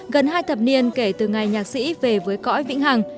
gần hai thập niên kể từ ngày nhạc sĩ về với cõi vĩnh hằng